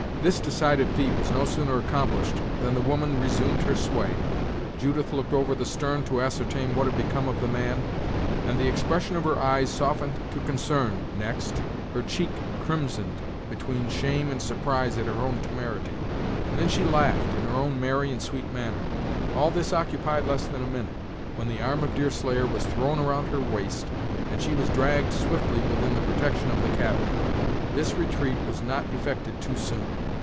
This decided feat was no sooner accomplished than the woman resumed her sway; Judith looked over the stern to ascertain what had become of the man, and the expression of her eyes softened to concern, next, her cheek crimsoned between shame and surprise at her own temerity, and then she laughed in her own merry and sweet manner. All this occupied less than a minute, when the arm of Deerslayer was thrown around her waist, and she was dragged swiftly within the protection of the cabin. This retreat was not effected too soon.